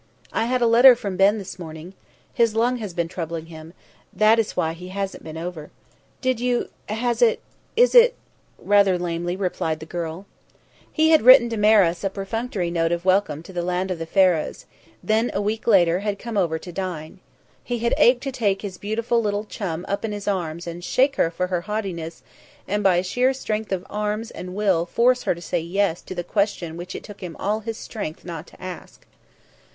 "I had a letter from Ben this morning. His lung has been troubling him; that is why he hasn't been over." "Did you has it is it ?" rather lamely replied the girl. He had written Damaris a perfunctory note of welcome to the Land of the Pharaohs; then, a week later, had come over to dine. He had ached to take his beautiful little chum up in his arms and shake her for her haughtiness and by sheer strength of arms and will force her to say "yes" to the question which it took him all his strength not to ask.